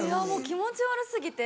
気持ち悪過ぎて。